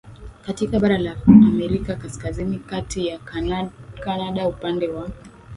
katika bara la Amerika Kaskazini kati ya Kanada upande wa